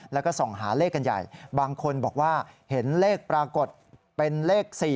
แล้วก็ส่องหาเลขกันใหญ่บางคนบอกว่าเห็นเลขปรากฏเป็นเลข๔